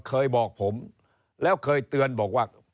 เคยบอกผมแล้วเคยเตือนบอกว่า